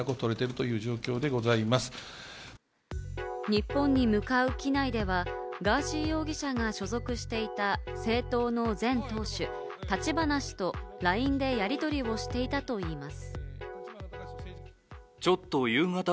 日本に向かう機内ではガーシー容疑者が所属していた政党の前党首・立花氏とＬＩＮＥでやり取りをしていたといいます。